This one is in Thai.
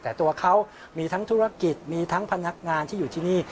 แต่ตัวเขามีทั้งธุรกิจมีทั้งพนักงานที่อยู่ที่นี่